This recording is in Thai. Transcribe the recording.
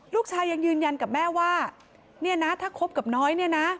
ลูกชายยังยืนยันกับแม่ว่าถ้าคบกับน้อย